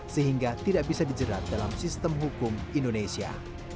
sehingga tidak bisa dijerat dalam sistem hukum indonesia